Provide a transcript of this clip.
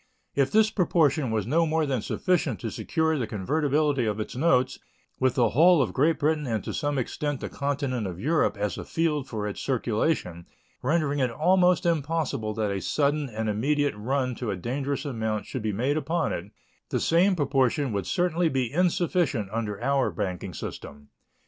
If this proportion was no more than sufficient to secure the convertibility of its notes with the whole of Great Britain and to some extent the continent of Europe as a field for its circulation, rendering it almost impossible that a sudden and immediate run to a dangerous amount should be made upon it, the same proportion would certainly be insufficient under our banking system.